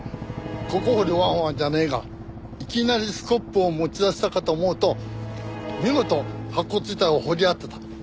ここ掘れワンワンじゃねえがいきなりスコップを持ち出したかと思うと見事白骨遺体を掘り当てた。